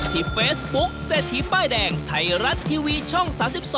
ที่เฟซบุ๊คเศรษฐีป้ายแดงไทยรัฐทีวีช่อง๓๒